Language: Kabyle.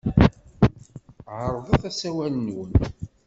Ɛerḍet asawal-nwen.